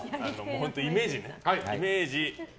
本当、イメージね。